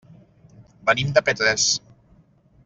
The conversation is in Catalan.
Venim de Petrés.